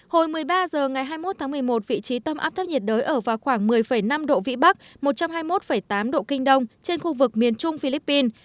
hồi một mươi ba h ngày hai mươi một tháng một mươi một vị trí tâm áp thấp nhiệt đới ở vào khoảng một mươi năm độ vĩ bắc một trăm hai mươi một tám độ kinh đông trên khu vực miền trung philippines